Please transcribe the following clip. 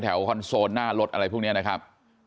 คอนโซลหน้ารถอะไรพวกนี้นะครับ